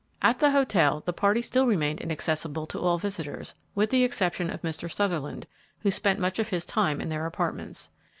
At the hotel the party still remained inaccessible to all visitors, with the exception of Mr. Sutherland, who spent much of his time in their apartments.